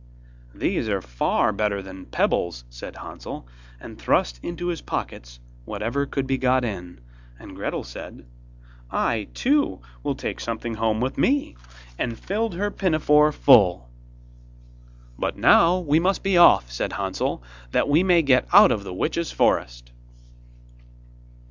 'These are far better than pebbles!' said Hansel, and thrust into his pockets whatever could be got in, and Gretel said: 'I, too, will take something home with me,' and filled her pinafore full. 'But now we must be off,' said Hansel, 'that we may get out of the witch's forest.